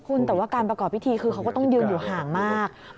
คุณแต่ว่าการประกอบพิธีคือเขาก็ต้องยืนอยู่ห่างมาก